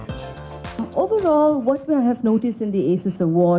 pada dasarnya apa yang kami perhatikan dalam penghargaan asus adalah